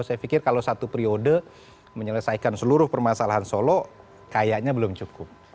saya pikir kalau satu periode menyelesaikan seluruh permasalahan solo kayaknya belum cukup